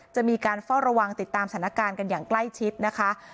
จะมีการเฝ้าระวังติดตามสถานการณ์กันอย่างใกล้ชิดนะคะ